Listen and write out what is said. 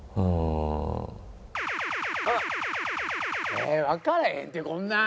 えーわからへんってこんなん！